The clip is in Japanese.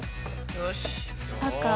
よし。